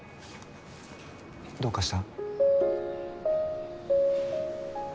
どうかした？